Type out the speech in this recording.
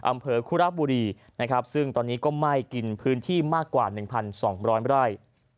อำเภอคุระบุรีนะครับซึ่งตอนนี้ก็ไหม้กินพื้นที่มากกว่า๑๒๐๐ไร่